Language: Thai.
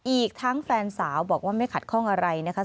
อีกทั้งแฟนสาวบอกว่าไม่ขัดข้องอะไรนะคะ